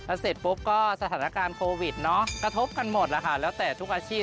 แล้วเสร็จปุ๊บก็สถานการณ์โควิดเนอะกระทบกันหมดล่ะค่ะแล้วแต่ทุกอาชีพ